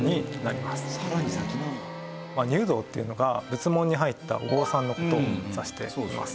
「入道」っていうのが仏門に入ったお坊さんの事を指しています。